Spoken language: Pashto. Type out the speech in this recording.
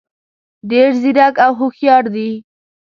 ډېر ځیرک او هوښیار دي.